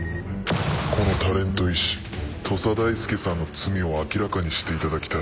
このタレント医師土佐大輔さんの罪を明らかにしていただきたい。